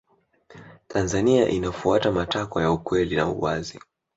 tanzania inafuata matakwa ya ukweli na uwazi